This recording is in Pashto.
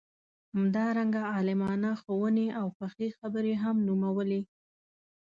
همدارنګه عالمانه ښووني او پخې خبرې هم نومولې.